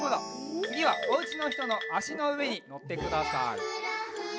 つぎはおうちのひとのあしのうえにのってください。